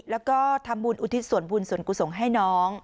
แล้วก็ทำบุญอุทิศส่วนบุญส่วนกุศลให้น้อง